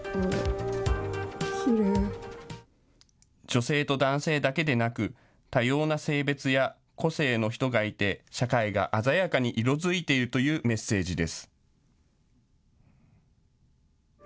女性と男性だけでなく多様な性別や個性の人がいて社会が鮮やかに色づいているというメッセージです。